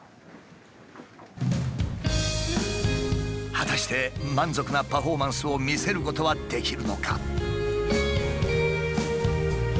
果たして満足なパフォーマンスを見せることはできるのか？